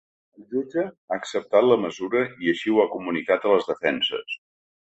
El jutge ha acceptat la mesura i així ho ha comunicat a les defenses.